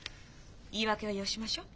言い訳はよしましょう。